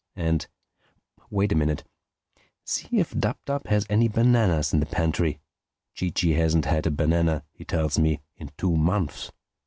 And wait a minute—see if Dab Dab has any bananas in the pantry. Chee Chee hasn't had a banana, he tells me, in two months."